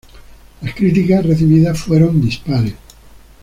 Las críticas recibidas fueron dispares.